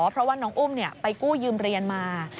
เพราะว่าน้องอุ้มไปกู้ยืมเรียนมา